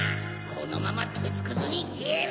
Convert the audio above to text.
・・このままてつくずにしてやる！